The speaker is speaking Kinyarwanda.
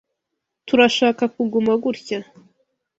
Turashaka kuguma gutya.